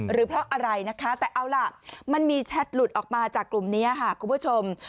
หรือเพราะอะไรนะคะแต่เอาล่ะมันมีแชทหลุดออกมาจากกลุ่มนี้ค่ะคุณผู้ชม